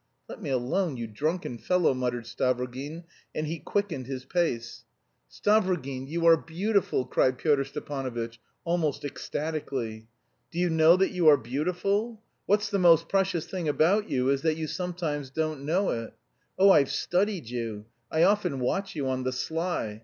"Let me alone, you drunken fellow!" muttered Stavrogin, and he quickened his pace. "Stavrogin, you are beautiful," cried Pyotr Stepanovitch, almost ecstatically. "Do you know that you are beautiful! What's the most precious thing about you is that you sometimes don't know it. Oh, I've studied you! I often watch you on the sly!